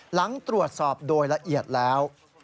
หลังตรวจสอบโดยละเอียดแล้ว